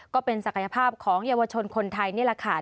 ก็เป็นศักยภาพของเยาวชนคนไทยนี่แหละค่ะ